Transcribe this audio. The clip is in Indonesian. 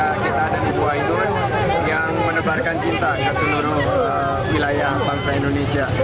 karena ingin mendapatkan inspirasi dari presiden ketiga kita dan ibu ainun yang menebarkan cinta ke seluruh wilayah bangsa indonesia